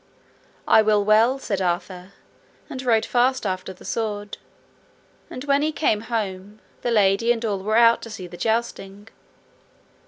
I will well, said Arthur, and rode fast after the sword, and when he came home, the lady and all were out to see the jousting.